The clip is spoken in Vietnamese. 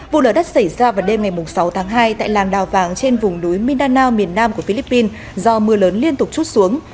vụ lở đất xảy ra vào đêm ngày sáu tháng hai tại làng đào vàng trên vùng núi mindanao miền nam của philippines do mưa lớn liên tục chút xuống